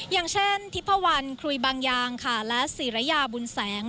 อย่างเช่นทิพวันคลุยบางยางค่ะและศิรยาบุญแสง